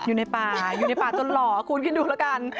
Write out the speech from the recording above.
อยู่ในป่าอยู่ในป่าจนหล่อคุณคิดดูแล้วกัน